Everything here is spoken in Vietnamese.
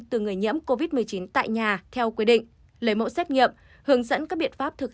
từ người nhiễm covid một mươi chín tại nhà theo quy định lấy mẫu xét nghiệm hướng dẫn các biện pháp thực